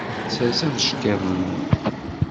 Sers abeckiḍ-nni.